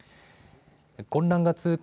混乱が続く